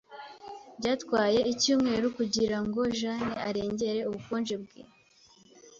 Byatwaye icyumweru kugirango Jane arengere ubukonje bwe.